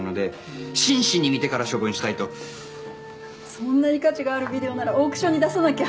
そんなに価値があるビデオならオークションに出さなきゃ。